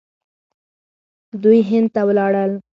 دوی هند ته ولاړل.